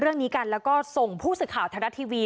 เรื่องนี้กันแล้วก็ส่งผู้สื่อข่าวไทยรัฐทีวี